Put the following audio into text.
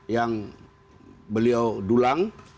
yang beliau dulang